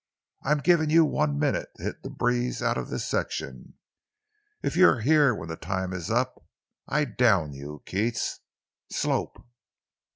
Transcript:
I'm giving you one minute to hit the breeze out of this section. If you're here when that time is up, I down you, Keats! Slope!"